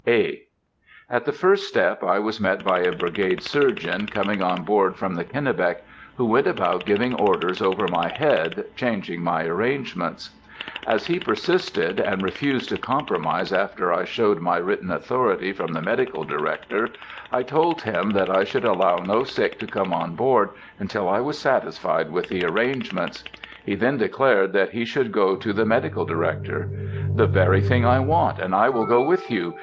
(A.) At the first step I was met by a Brigade Surgeon coming on board from the Kennebec, who went about giving orders over my head, changing my arrangements. As he persisted, and refused to compromise after I showed my written authority from the Medical Director, I told him that I should allow no sick to come on board until I was satisfied with the arrangements. He then declared that he should go to the Medical Director. "The very thing I want, and I will go with you.